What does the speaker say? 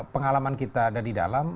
pengalaman kita ada di dalam